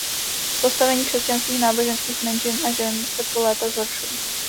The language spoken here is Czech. Postavení křesťanských náboženských menšin a žen se po léta zhoršuje.